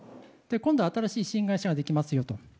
今度新しい新会社ができますよと。